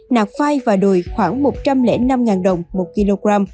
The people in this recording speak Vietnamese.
nạc phai và đùi khoảng một trăm linh năm đồng một kg